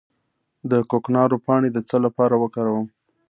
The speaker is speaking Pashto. د کوکنارو پاڼې د څه لپاره وکاروم؟